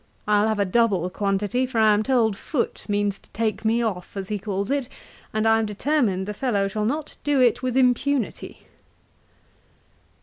I'll have a double quantity; for I am told Foote means to take me off, as he calls it, and I am determined the fellow shall not do it with impunity.'